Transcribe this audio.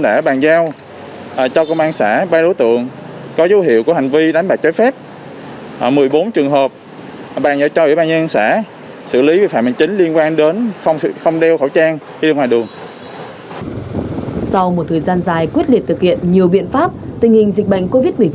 sau một thời gian dài quyết liệt thực hiện nhiều biện pháp tình hình dịch bệnh covid một mươi chín